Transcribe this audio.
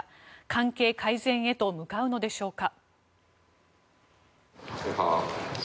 関係改善へと向かうのでしょうか。